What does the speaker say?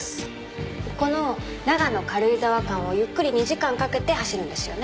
この長野軽井沢間をゆっくり２時間かけて走るんですよね？